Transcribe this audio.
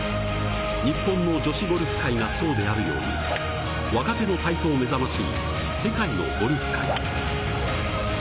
日本の女子ゴルフ界がそうであるように若手の台頭目覚ましい世界のゴルフ界。